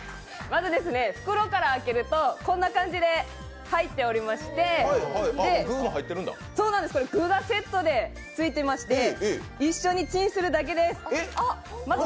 まず、袋から開けるとこんな感じで入っておりまして、具がセットでついてまして、一緒にチンするだけです。